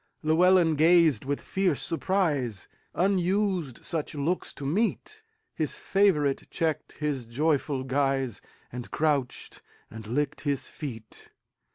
Llewelyn gazed with fierce surprise; Unused such looks to meet, His favorite checked his joyful guise, And crouched and licked his feet.